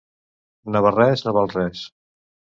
Navarrés no val res.